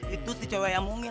itu si cewek yang mumin